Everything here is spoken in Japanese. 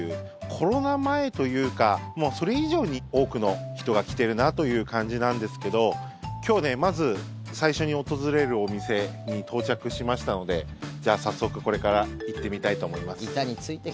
コロナ前というか、それ以上に多くの人が来ているなという感じなんですけど今日ね、まず最初に訪れるお店に到着しましたのでじゃあ早速、これから行ってみたいと思います。